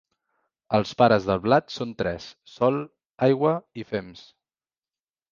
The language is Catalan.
Els pares del blat són tres: sol, aigua i fems.